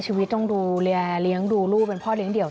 ชีวิตต้องดูแลเลี้ยงดูลูกเป็นพ่อเลี้ยเดี่ยว